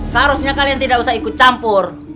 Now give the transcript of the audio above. seharusnya kalian tidak usah ikut campur